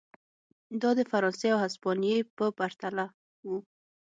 دا د فرانسې او هسپانیې په پرتله و.